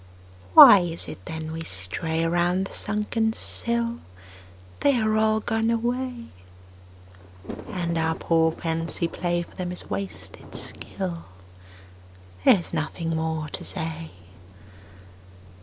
Why is it then we stray Around the sunken sill? They are all gone away. And our poor fancy play For them is wasted skill: There is nothing more to say.